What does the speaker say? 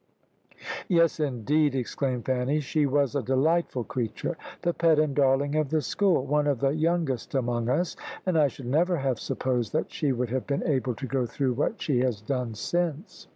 "Yes, indeed," exclaimed Fanny. "She was a delightful creature, the pet and darling of the school, one of the youngest among us; and I should never have supposed that she would have been able to go through what she has done since."